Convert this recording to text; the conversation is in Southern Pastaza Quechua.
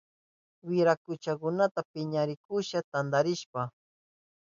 Wirakuchakunaka piñanakuhunkuna tantarinapi.